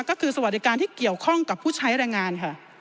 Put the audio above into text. ก็คือสวัสดิการที่เกี่ยวข้องกับผู้ใช้แรงงานค่ะ